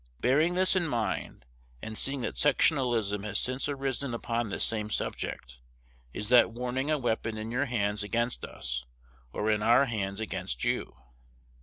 Bearing this in mind, and seeing that sectionalism has since arisen upon this same subject, is that warning a weapon in your hands against us, or in our hands against you?